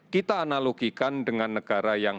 kita analogikan dengan negara yang